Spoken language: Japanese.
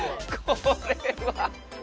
これは。